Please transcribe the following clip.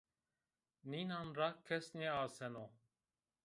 Nînan ra kes nêaseno